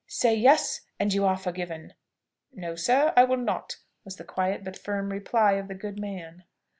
Say 'Yes!' and you are forgiven." "No, sir, I will not!" was the quiet but firm reply of the good man.